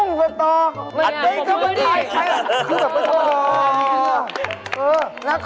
นี่คืออะไรนี่ชะอัม